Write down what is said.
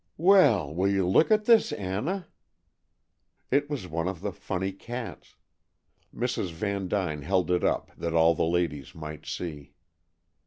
Well, will you look at this, Anna?" It was one of the "funny cats." Mrs. Vandyne held it up, that all the ladies might see.